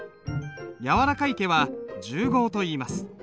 柔らかい毛は柔毫といいます。